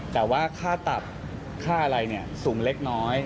แต่ว่าค่าตับค่าอะไรสูงเล็กน้อย